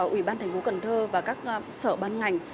ủy ban thành phố cần thơ và các sở ban ngành